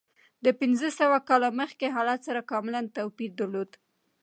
د پنځه سوه کاله مخکې حالت سره کاملا توپیر درلود.